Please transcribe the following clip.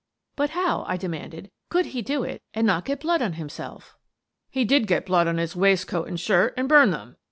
" But how," I demanded, " could he do it and not get blood on himself?" " He did get blood on his waistcoat and shirt and burned them.